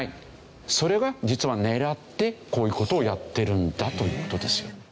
それが実は狙ってこういう事をやってるんだという事ですよ。